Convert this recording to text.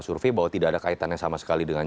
survei bahwa tidak ada kaitannya sama sekali dengan